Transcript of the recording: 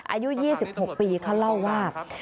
อายุ๒๖ปีเขาเล่าว่า